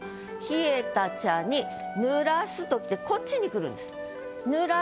「冷えた茶に濡らす」ときてこっちに来るんです。